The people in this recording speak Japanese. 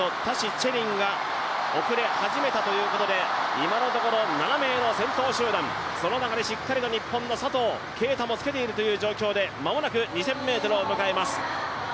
次仁が遅れ始めたところ今のところ７名の先頭集団その中でしっかり日本の佐藤圭汰もつけている状態で間もなく２０００ｍを迎えます。